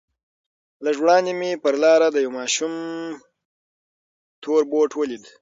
لږ وړاندې مې پر لاره د يوه ماشوم تور بوټ ولېد.